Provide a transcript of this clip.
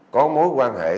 có mối quan hệ